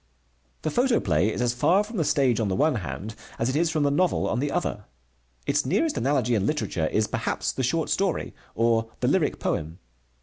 The photoplay is as far from the stage on the one hand as it is from the novel on the other. Its nearest analogy in literature is, perhaps, the short story, or the lyric poem.